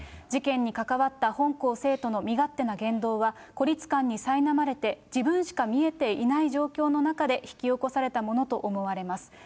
事件に関わった本校生徒の身勝手な言動は、孤立感にさいなまれて、自分しか見えていない状況の中で引き起こされたものと思われます。